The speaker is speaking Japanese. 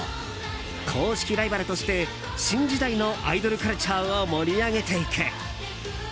公式ライバルとして新時代のアイドルカルチャーを盛り上げていく。